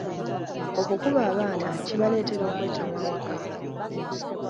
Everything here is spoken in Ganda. Okukuba abaana kibaleetera okwetamwa ewaka.